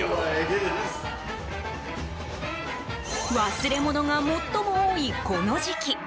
忘れ物が最も多いこの時期。